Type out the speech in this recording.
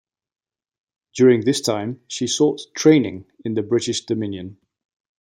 During this time she "sought training in the 'British Dominion'".